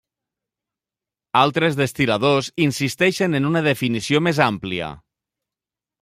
Altres destil·ladors insisteixen en una definició més àmplia.